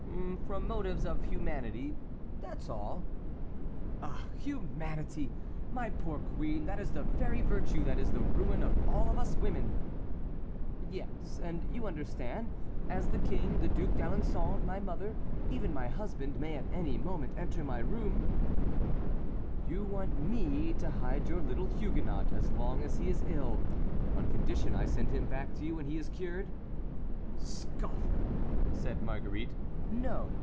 "From motives of humanity—that's all." "Ah, humanity! my poor queen, that is the very virtue that is the ruin of all of us women." "Yes; and you understand: as the King, the Duc d'Alençon, my mother, even my husband, may at any moment enter my room"— "You want me to hide your little Huguenot as long as he is ill, on condition I send him back to you when he is cured?" "Scoffer!" said Marguerite, "no!